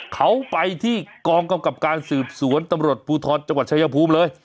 เขาไปที่กองกำกับการสืบสวนตำรวจภูทรจังหวัดชายภูมิเลย